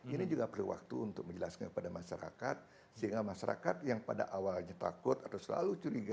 ini juga perlu waktu untuk menjelaskan kepada masyarakat sehingga masyarakat yang pada awalnya takut atau selalu curiga